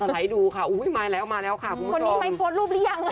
ไว้ดูค่ะอุ้ยมาแล้วค่ะคุณชมคนนี้ไม่๒๐๑๗เรียง